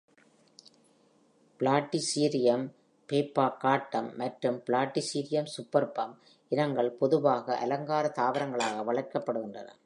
"Platycerium பிஃபர்காட்டம்" மற்றும் "Platycerium சூப்பர்பம்" இனங்கள் பொதுவாக அலங்கார தாவரங்களாக வளர்க்கப்படுகின்றன.